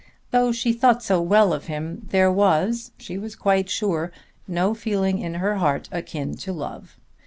Though she thought so well of him there was, she was quite sure, no feeling in her heart akin to love.